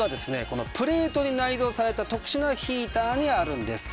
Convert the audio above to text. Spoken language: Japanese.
このプレートに内蔵された特殊なヒーターにあるんです。